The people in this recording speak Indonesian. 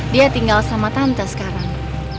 dia tinggal sama tante sekarang